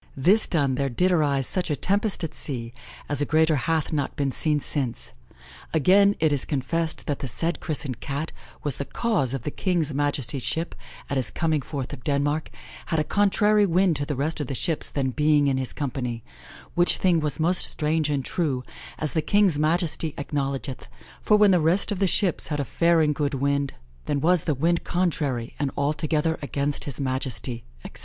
This done, there did arise such a tempest at sea, as a greater hath not been seen since. Againe it is confessed that the said christened Cat was the cause of the Kinge's majestie's shippe, at his coming forthe of Denmark, had a contrarie winde to the rest of the shippes then being in his companie, which thing was most straunge and true, as the Kinge's Majestie acknowledgeth, for when the rest of the shippes had a fair and good winde, then was the winde contrarie, and altogether against his Majestie," etc.